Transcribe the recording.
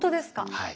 はい。